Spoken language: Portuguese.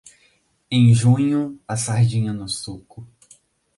Em junho, a sardinha no suco.